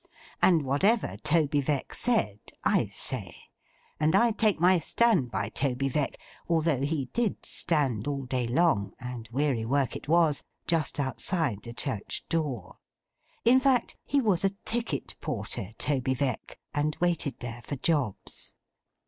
And whatever Toby Veck said, I say. And I take my stand by Toby Veck, although he did stand all day long (and weary work it was) just outside the church door. In fact he was a ticket porter, Toby Veck, and waited there for jobs.